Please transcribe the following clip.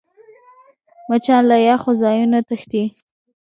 مچان له یخو ځایونو تښتي